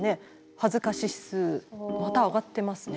恥ずか指数また上がってますね。